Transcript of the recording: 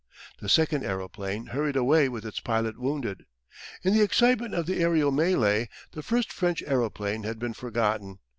The second aeroplane hurried away with its pilot wounded. In the excitement of the aerial melee the first French aeroplane had been forgotten.